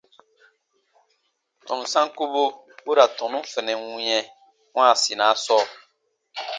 Tɔnu sankubu bu ra tɔnu funɛ wĩɛ wãasinaa sɔɔ.